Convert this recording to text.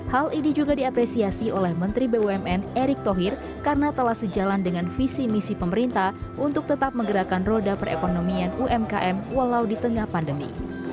hal ini juga diapresiasi oleh menteri bumn erick thohir karena telah sejalan dengan visi misi pemerintah untuk tetap menggerakkan roda perekonomian umkm walau di tengah pandemi